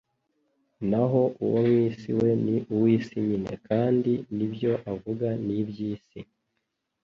naho uwo mw’isi we ni uw’isi nyine, kandi n’ibyo avuga ni iby’isi